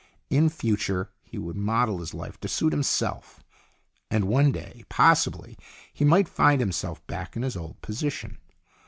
In future he would model his life to suit himself, and one day, possibly, he might find himself back in his old position.